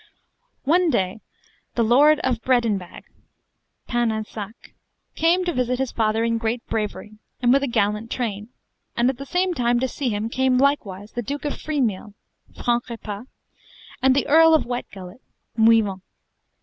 One day the Lord of Breadinbag (Painensac.) came to visit his father in great bravery, and with a gallant train: and, at the same time, to see him came likewise the Duke of Freemeal (Francrepas.) and the Earl of Wetgullet (Mouillevent.).